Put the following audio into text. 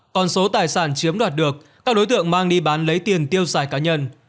còn số tài sản chiếm đoạt được các đối tượng mang đi bán lấy tiền tiêu xài cá nhân